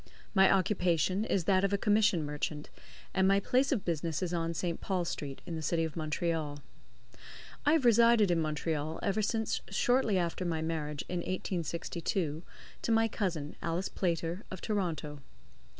My occupation is that of a commission merchant, and my place of business is on St. Paul Street, in the City of Montreal. I have resided in Montreal ever since shortly after my marriage, in 1862, to my cousin, Alice Playter, of Toronto.